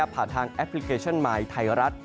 ผ่านทางแอปพลิเคชันมายไทยรัฐ